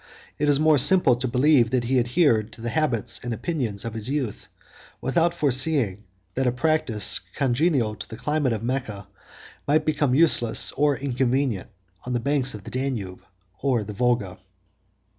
It is more simple to believe that he adhered to the habits and opinions of his youth, without foreseeing that a practice congenial to the climate of Mecca might become useless or inconvenient on the banks of the Danube or the Volga.